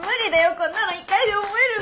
こんなの一回で覚えるの。